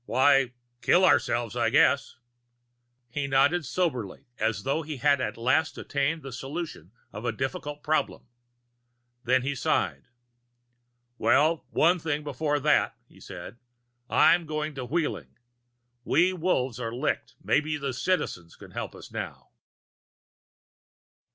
"Why, kill ourselves, I guess." He nodded soberly, as though he had at last attained the solution of a difficult problem. Then he sighed. "Well, one thing before that," he said. "I'm going to Wheeling. We Wolves are licked; maybe the Citizens can help us now."